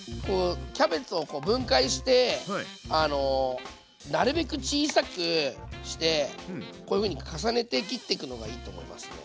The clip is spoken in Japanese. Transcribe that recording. キャベツをこう分解してなるべく小さくしてこういうふうに重ねて切ってくのがいいと思いますね。